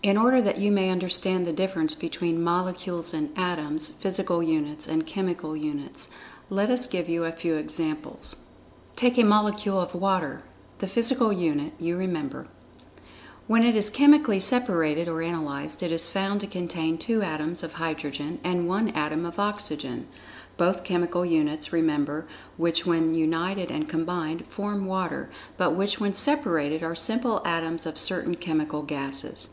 In order that you may understand the difference between Molecules and Atoms—physical units, and chemical units, let us give you a few examples. Take a molecule of water—the physical unit, you remember. When it is chemically separated or analyzed, it is found to contain two[Pg 70] atoms of hydrogen, and one atom of oxygen—both chemical units, remember—which when united and combined, form water, but which when separated are simple atoms of certain chemical gases.